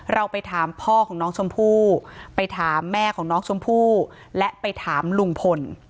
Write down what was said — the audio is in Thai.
เราไปถามพ่อของน้องชมพู่ไปถามแม่ของน้องชมพู่และไปถามลุงพล